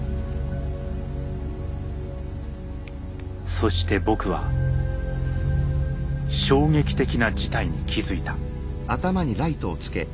そして僕は衝撃的な事態に気づいた。